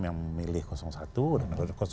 yang memilih satu dan dua